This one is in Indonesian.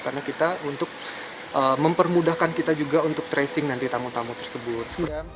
karena kita untuk mempermudahkan kita juga untuk tracing nanti tamu tamu tersebut